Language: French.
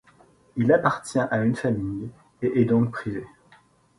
Il appartient à une famille et est donc privé.